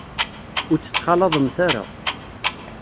Ur tt-ttxalaḍemt ara.